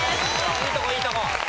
いいとこいいとこ。